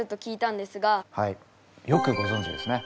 はいよくご存じですね。